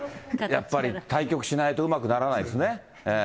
やっぱり対局しないとうまくならないですね。